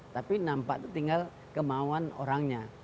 tapi nampak itu tinggal kemauan orangnya